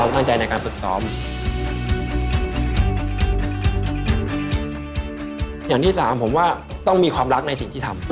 ไทยรัฐสู้สู้